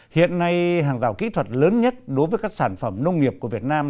hiện nay hàng rào kỹ thuật lớn nhất đối với các sản phẩm nông nghiệp của việt nam